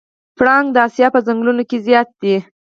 پړانګ د اسیا په ځنګلونو کې زیات دی.